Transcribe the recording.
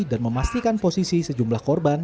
dan memastikan posisi sejumlah korban